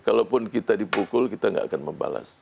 kalaupun kita dipukul kita nggak akan membalas